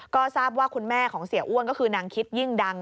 ก็ทราบว่าคุณแม่ของเสียอ้วนก็คือนางคิดยิ่งดัง